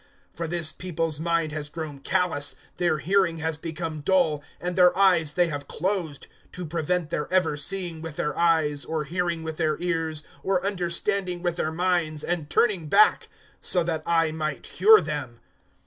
028:027 For this people's mind has grown callous, their hearing has become dull, and their eyes they have closed; to prevent their ever seeing with their eyes, or hearing with their ears, or understanding with their minds, and turning back, so that I might cure them.'